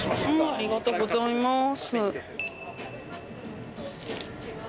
ありがとうございます。